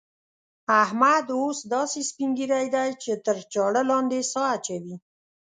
احمد اوس داسې سپين ږيری دی چې تر چاړه لاندې سا اچوي.